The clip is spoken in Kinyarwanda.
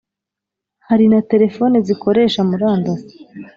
hari na terefoni zikoresha murandasi